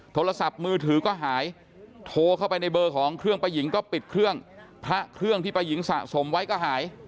โทรศัพท์มือถือก็หายโทรเข้าไปในเบอร์ของเครื่องป้าหญิงก็ปิดเครื่องพระเครื่องที่ป้าหญิงสะสมไว้ก็หาย